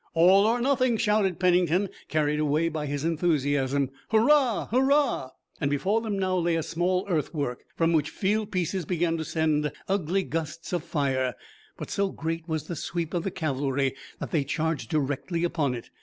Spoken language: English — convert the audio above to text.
"All or nothing!" shouted Pennington, carried away by his enthusiasm. "Hurrah! Hurrah!" Before them now lay a small earthwork, from which field pieces began to send ugly gusts of fire, but so great was the sweep of the cavalry that they charged directly upon it.